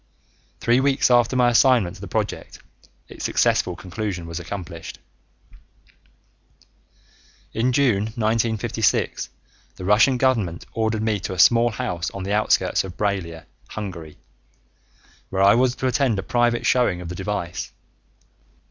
Three weeks after my assignment to the project, its successful conclusion was accomplished. In June 1956, the Russian government ordered me to a small house on the outskirts of Braila, Hungary, where I was to attend a private showing of the device.